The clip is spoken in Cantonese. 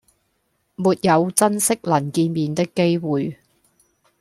沒有珍惜能見面的機會